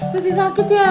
masih sakit ya